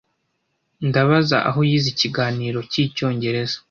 Ndabaza aho yize ikiganiro cyicyongereza.